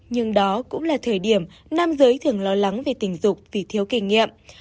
nhưng đó cũng là thời điểm nam giới thường lo lắng về tình dục vì thiếu kinh nghiệm